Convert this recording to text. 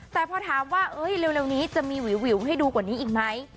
แต่พอถามว่าเร็วนี้จะมีวิวให้ดูกว่านี้อีกไหม